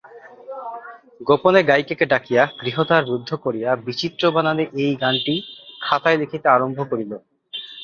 গোপনে গায়িকাকে ডাকিয়া গৃহদ্বার রুদ্ধ করিয়া বিচিত্র বানানে এই গানটি খাতায় লিখিতে আরম্ভ করিল।